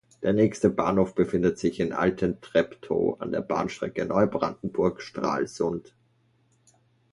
Der nächste Bahnhof befindet sich in Altentreptow an der Bahnstrecke Neubrandenburg–Stralsund.